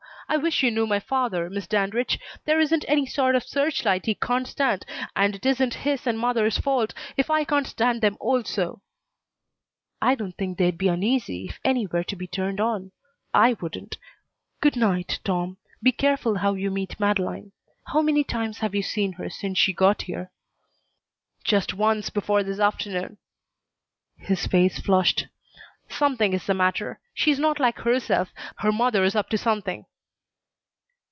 I wish you knew my father, Miss Dandridge. There isn't any sort of search light he can't stand, and it isn't his and mother's fault if I can't stand them, also." "I don't think they'd be uneasy if any were to be turned on. I wouldn't. Good night, Tom. Be careful how you meet Madeleine. How many times have you seen her since she got here?" "Just once before this afternoon." His face flushed. "Something is the matter. She's not like herself. Her mother's up to something."